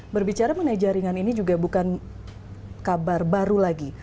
berbicara mengenai jaringan ini juga bukan kabar baru lagi